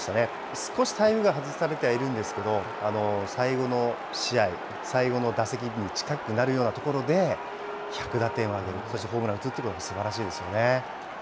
少しタイミングは外されてはいるんですけど、最後の試合、最後の打席に近くなるようなところで、１００打点を挙げる、そしてホームランを打つのはすばらしいですよね。